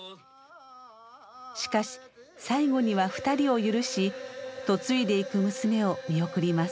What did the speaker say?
しかし最後には２人を許し嫁いでいく娘を見送ります。